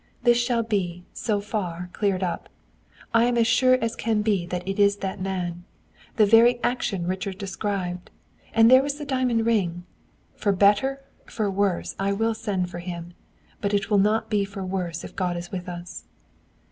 "This shall be, so far, cleared up. I am as sure as sure can be that it is that man. The very action Richard described! And there was the diamond ring! For better, for worse, I will send for him; but it will not be for worse if God is with us."